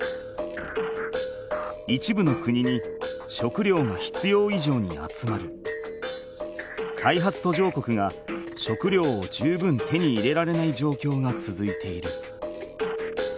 一部の国に食料が必要いじょうに集まり開発途上国が食料を十分手に入れられないじょうきょうがつづいている。